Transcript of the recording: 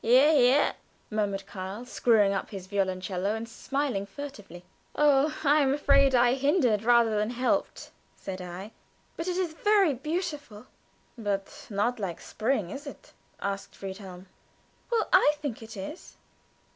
"Hear! hear!" murmured Karl, screwing up his violoncello and smiling furtively. "Oh, I am afraid I hindered rather than helped," said I, "but it is very beautiful." "But not like spring, is it?" asked Friedhelm. "Well, I think it is."